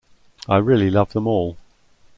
I really love them all.